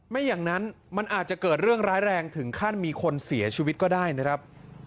ไม่อย่างนั้นมันอาจจะเกิดเรื่องร้ายแรงถึงขั้นมีคนเสียชีวิตก็ได้นะครับ